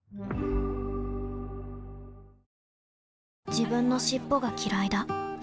自分の尻尾がきらいだ